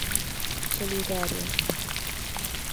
Solidarios.